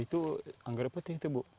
itu anggrek putih itu bu